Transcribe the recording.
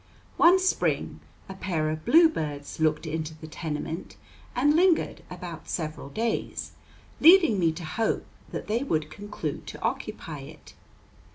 One spring a pair of bluebirds looked into the tenement and lingered about several days, leading me to hope that they would conclude to occupy it.